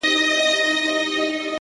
تنگ نظري نه کوم وخت راڅخه وخت اخيستی’